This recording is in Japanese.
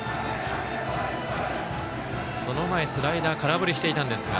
その前、スライダー空振りしていたんですが。